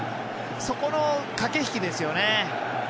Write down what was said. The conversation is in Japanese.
そこの駆け引きですよね。